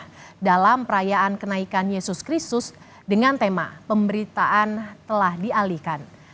pertama ibadah yang diperkayaan kenaikan yesus kristus dengan tema pemberitaan telah dialihkan